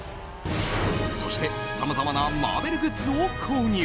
そして、さまざまなマーベルグッズを購入。